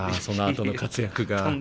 そのあとの活躍が。